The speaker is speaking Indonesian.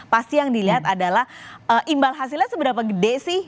pasti yang dilihat adalah imbal hasilnya seberapa gede sih